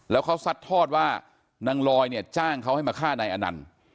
แล้วเขาซัดทอดว่านางลอยเนี่ยจ้างเขาให้มาฆ่านายอนันต์